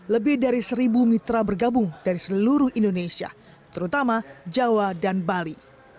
lebih dari seribu mitra bergabung dari seluruh indonesia terutama jawa dan bali